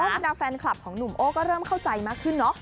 แต่ก็เมื่อแฟนคลับของหนุ่มโอก็เริ่มเข้าใจมากขึ้นเนอะ